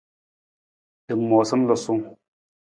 Lamoosam lasung.